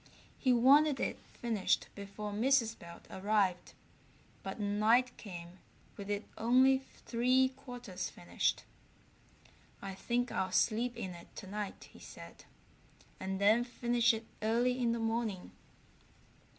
He wanted it finished before Mrs. Belt arrived, but night came with it only three quarters finished. "I think I'll sleep in it tonight," he said, "and then finish it early in the morning."